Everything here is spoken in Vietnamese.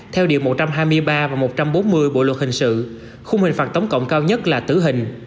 theo điều một trăm hai mươi ba và một trăm bốn mươi bộ luật hình sự khung hình phạt tổng cộng cao nhất là tử hình